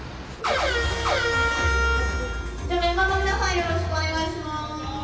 よろしくお願いします。